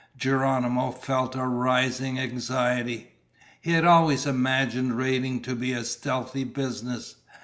Geronimo felt a rising anxiety. He had always imagined raiding to be a stealthy business.